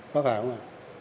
có phải không ạ